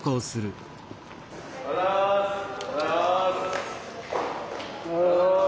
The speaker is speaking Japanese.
おはようございます。